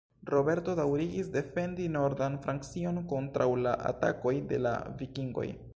Roberto daŭrigis defendi nordan Francion kontraŭ la atakoj de la Vikingoj.